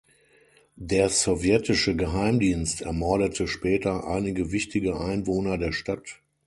Der sowjetische Geheimdienst ermordete später einige wichtige Einwohner der Stadt.